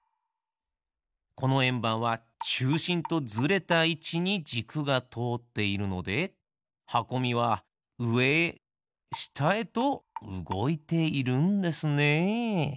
このえんばんはちゅうしんとずれたいちにじくがとおっているのではこみはうえへしたへとうごいているんですね。